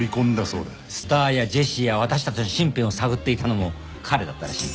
スタアやジェシーや私たちの身辺を探っていたのも彼だったらしい。